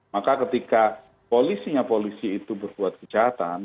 maka ketika polisinya polisi itu berbuat kejahatan